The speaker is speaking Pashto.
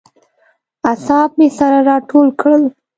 اعصاب مې سره راټول کړل.